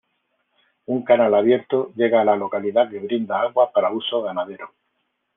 Un canal abierto llega a la localidad que brinda agua para uso ganadero.